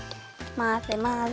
まぜまぜ。